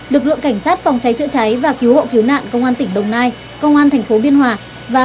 lực lượng cảnh sát phòng cháy chữa cháy